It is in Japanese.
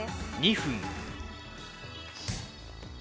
「２分」。